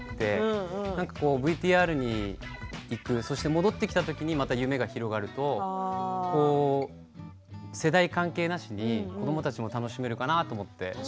ＶＴＲにいく、そして戻ってきたときにまた夢が広がると世代を関係なしに子どもたちも楽しめるかなと思って。